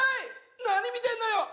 何見てんのよ！